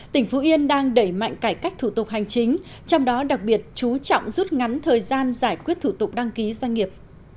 tỉnh phú yên đang đẩy mạnh cải cách thủ tục hành chính trong đó đặc biệt chú trọng rút ngắn thời gian giải quyết thủ tục đăng ký doanh nghiệp